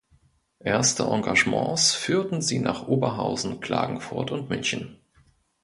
Erste Engagements führten sie nach Oberhausen, Klagenfurt und München.